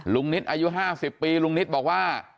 นิตอายุ๕๐ปีลุงนิตบอกว่า